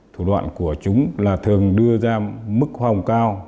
thủ đoạn của chúng là thường đưa ra mức hồng cao